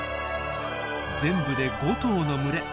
全部で５頭の群れ。